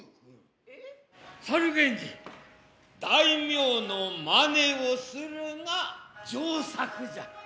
猿源氏大名の眞似をするが上策じゃ。